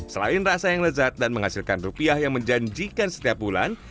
selain rasa yang lezat dan menghasilkan rupiah yang menjanjikan setiap bulan